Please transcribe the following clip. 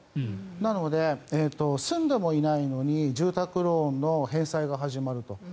なので、住んでもいないのに住宅ローンの返済が始まると。